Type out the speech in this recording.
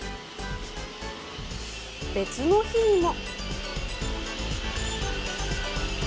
別の日にも。